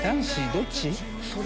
どっち？